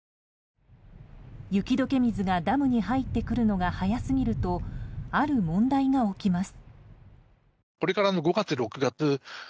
雪解け水がダムに入ってくるのが早すぎるとある問題が起きます。